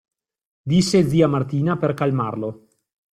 Disse zia Martina per calmarlo.